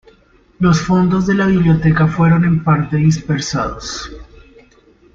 Los fondos de la biblioteca fueron en parte dispersados.